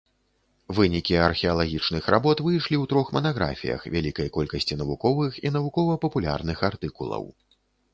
Вынікі археалагічных работ выйшлі ў трох манаграфіях, вялікай колькасці навуковых і навукова-папулярных артыкулаў.